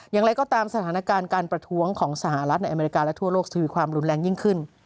อย่างไรก็ตามสถานการณ์การประท้วงของสหรัฐในอเมริกาและทั่วโลกทวีความรุนแรงยิ่งขึ้น